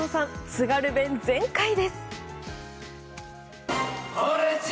津軽弁、全開です！